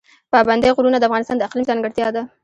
پابندی غرونه د افغانستان د اقلیم ځانګړتیا ده.